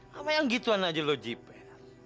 sama yang gituan aja lo jepes